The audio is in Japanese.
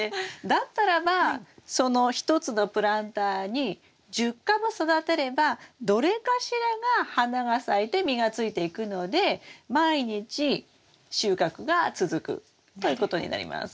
だったらばその１つのプランターに１０株育てればどれかしらが花が咲いて実がついていくので毎日収穫が続くということになります。